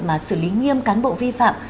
mà xử lý nghiêm cán bộ vi phạm